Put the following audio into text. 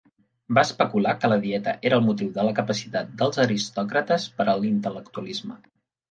Va especular que la dieta era el motiu de la capacitat dels aristocràtes per a l'intel·lectualisme.